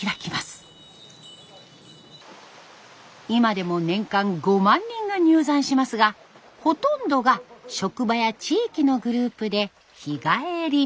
今でも年間５万人が入山しますがほとんどが職場や地域のグループで日帰り。